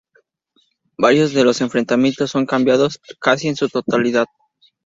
Varios de los enfrentamientos son cambiados casi en su totalidad.